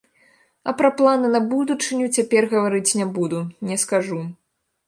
А пра планы на будучыню цяпер гаварыць не буду, не скажу.